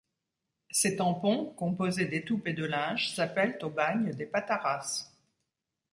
Ces tampons, composés d’étoupe et de linge, s’appellent, au bagne, des patarasses.